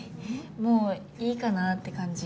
もういいかなぁって感じ。